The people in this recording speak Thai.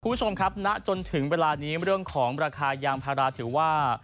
คุณผู้ชมครับณจนถึงเวลานี้เรื่องของราคายางพาราถือว่า